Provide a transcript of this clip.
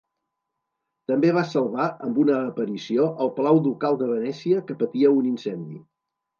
També va salvar, amb una aparició, el Palau Ducal de Venècia, que patia un incendi.